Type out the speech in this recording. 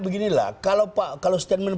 beginilah kalau statement